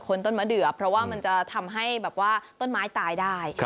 ต้นมะเดือเพราะว่ามันจะทำให้แบบว่าต้นไม้ตายได้